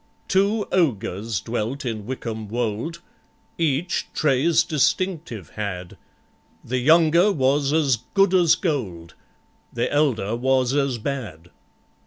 Two ogres dwelt in Wickham Wold— Each traits distinctive had: The younger was as good as gold, The elder was as bad.